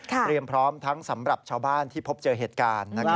เตรียมพร้อมทั้งสำหรับชาวบ้านที่พบเจอเหตุการณ์